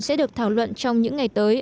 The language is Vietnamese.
sẽ được thảo luận trong những ngày tới